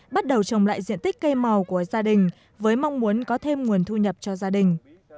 bắt đầu trồng lại diện tích cây màu của gia đình với mong muốn có thêm nguồn thu nhập cho gia đình